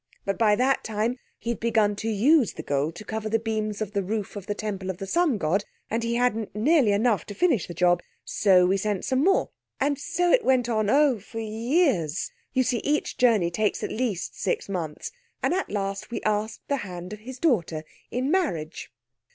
But by that time he'd begun to use the gold to cover the beams of the roof of the Temple of the Sun God, and he hadn't nearly enough to finish the job, so we sent some more. And so it went on, oh, for years. You see each journey takes at least six months. And at last we asked the hand of his daughter in marriage."